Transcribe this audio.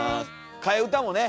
替え歌もね